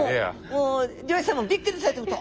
もう漁師さんもびっくりされてました。